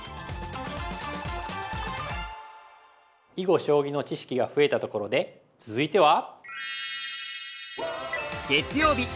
囲碁将棋の知識が増えたところで続いては！